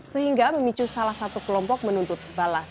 sehingga memicu salah satu kelompok menuntut balas